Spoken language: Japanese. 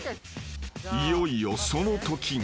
［いよいよそのときが］